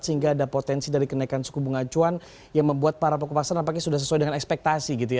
sehingga ada potensi dari kenaikan suku bunga acuan yang membuat para pokok pasar nampaknya sudah sesuai dengan ekspektasi gitu ya